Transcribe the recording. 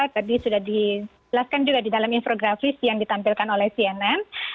tadi sudah dijelaskan juga di dalam infografis yang ditampilkan oleh cnn